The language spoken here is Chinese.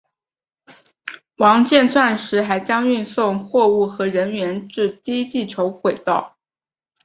王剑钻石还将运送货物和人员至低地球轨道。